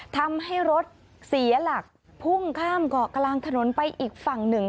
ทำให้รถเสียหลักพุ่งข้ามเกาะกลางถนนไปอีกฝั่งหนึ่ง